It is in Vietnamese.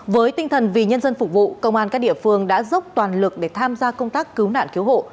với tinh thần vì nhân dân phục vụ công an các địa phương đã dốc toàn lực để tham gia công tác cứu nạn cứu hộ